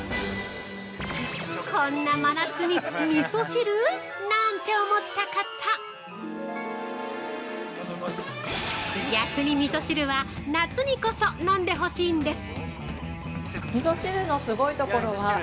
◆こんな真夏にみそ汁！？なんて思った方逆にみそ汁は、夏にこそ飲んでほしいんです！